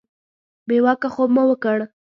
بې واکه خوب مو وکړ.